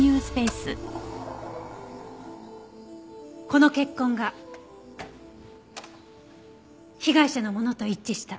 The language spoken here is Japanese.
この血痕が被害者のものと一致した。